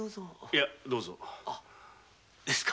いやどうぞ。